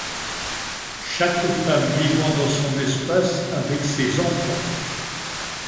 Chaque femme vivant dans son espace avec ses enfants.